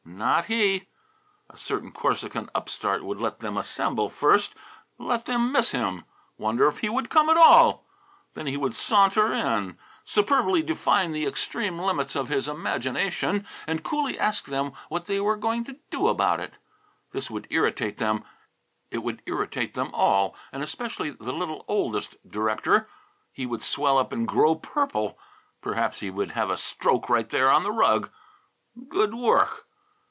Not he! A certain Corsican upstart would let them assemble first, let them miss him wonder if he would come at all. Then he would saunter in, superbly define the extreme limits of his imagination, and coolly ask them what they were going to do about it. This would irritate them. It would irritate them all, and especially the little oldest director. He would swell up and grow purple. Perhaps he would have a stroke right there on the rug. Good work!